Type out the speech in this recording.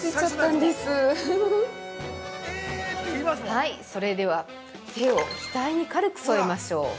◆はい、それでは手を額に軽く添えましょう。